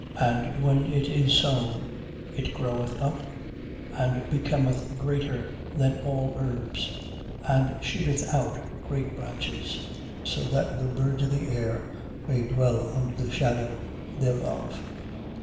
And when it is sown, it groweth up, and becometh greater than all herbs, and shooteth out great branches, so that the birds of the air may dwell under the shadow thereof.